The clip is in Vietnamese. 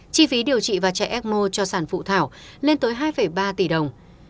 chi phí điều trị và chạy ecmo cho sản phụ thảo lên tới hai ba tỷ đồng